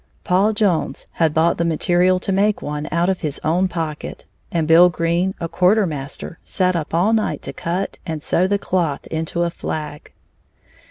Paul Jones had bought the material to make one, out of his own pocket, and Bill Green, a quarter master, sat up all night to cut and sew the cloth into a flag.